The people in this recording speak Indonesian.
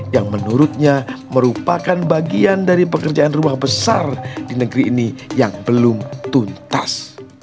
yang menurutnya merupakan bagian dari pekerjaan rumah besar di negeri ini yang belum tuntas